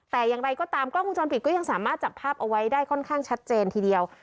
แต่อย่างไรก็ตามกล้องวงจรปิดก็ยังสามารถจับภาพเอาไว้ได้ค่อนข้างชัดเจนทีเดียว